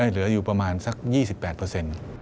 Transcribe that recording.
เหลืออยู่ประมาณสัก๒๘เปอร์เซ็นต์